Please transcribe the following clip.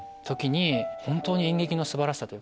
本当に演劇の素晴らしさというか。